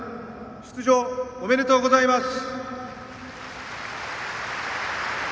出場おめでとうございます。